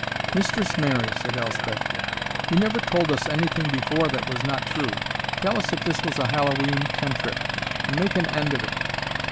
"Mistress Mary," said Elspeth, "you never told us anything before that was not true; tell us if this was a Hallowe'en cantrip, and make an end of it."